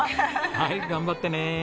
はい頑張ってね。